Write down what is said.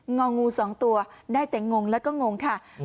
องูสองตัวได้แต่งงแล้วก็งงค่ะ